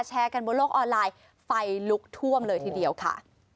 แชร์กันบนโลกออนไลน์ไฟลุกท่วมเลยทีเดียวค่ะ